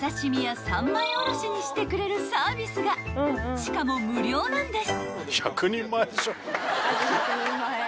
［しかも無料なんです］